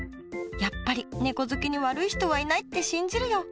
やっぱりねこ好きに悪い人はいないって信じるよ。